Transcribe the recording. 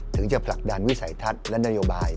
ถึงจะผลักดันวิสัยทัศน์และนโยบาย